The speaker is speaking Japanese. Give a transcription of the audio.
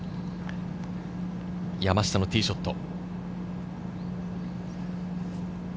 山下のティーショット。